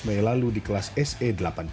melelalu di kelas se delapan puluh lima